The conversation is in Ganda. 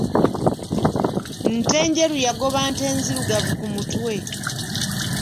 Ntenjeru yagoba ntenzirugavu ku mutwe.